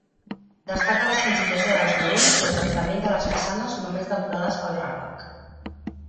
Destaca la senzillesa dels volums i el tractament de les façanes només decorades pel ràfec.